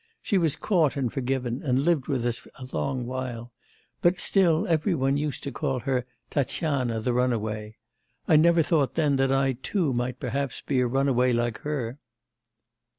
She was caught, and forgiven, and lived with us a long while... but still every one used to call her Tatyana, the runaway. I never thought then that I too might perhaps be a runaway like her.